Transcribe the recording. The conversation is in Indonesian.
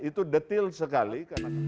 itu detil sekali